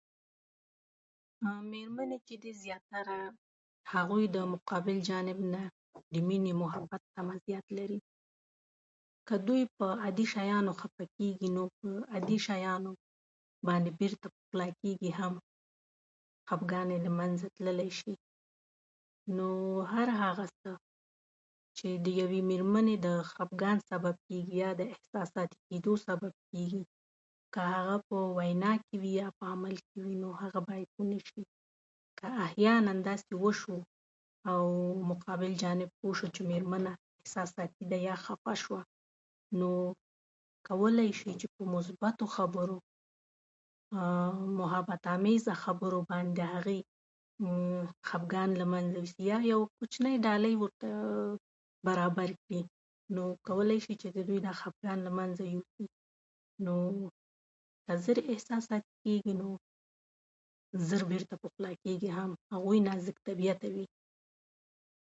د ځان د برياليتوب لپاره بايد پوره هڅه او کوښښ وکړو